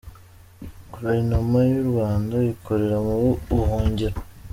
Gouvernement y’u Rwanda ikorera mu ubuhungiro